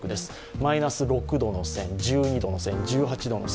マイナス６度の線、１２度の線１８度の線